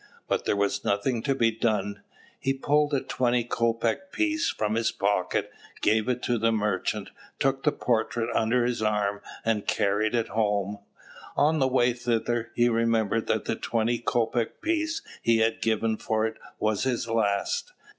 But there was nothing to be done. He pulled a twenty kopek piece from his pocket, gave it to the merchant, took the portrait under his arm, and carried it home. On the way thither, he remembered that the twenty kopek piece he had given for it was his last.